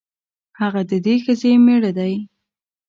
هغه د دې ښځې مېړه دی.